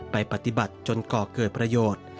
ไปปฏิบัติจนก่อเกิดประโยชน์